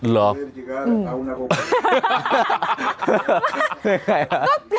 แล้วไง